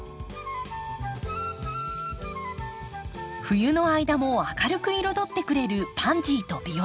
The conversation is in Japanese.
冬の間も明るく彩ってくれるパンジーとビオラ。